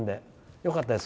よかったです。